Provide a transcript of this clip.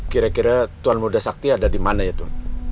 kira kira tuan muda sakti ada di mana itu